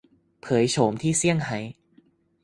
เผยโฉมที่เซี่ยงไฮ้